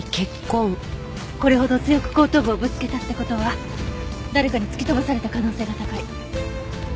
これほど強く後頭部をぶつけたって事は誰かに突き飛ばされた可能性が高い。